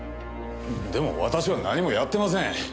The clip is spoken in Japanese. でも私は何もやってません！